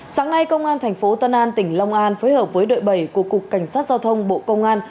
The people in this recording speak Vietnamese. sáng nay công an tp tân an tỉnh long an phối hợp với đội bảy của cục cảnh sát giao thông bộ công an